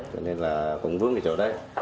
cho nên là cũng vướng cái chỗ đấy